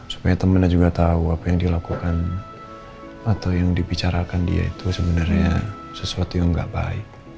supaya temannya juga tahu apa yang dilakukan atau yang dibicarakan dia itu sebenarnya sesuatu yang gak baik